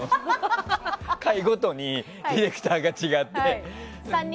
回ごとに、ディレクターが違って。